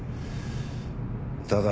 ただ。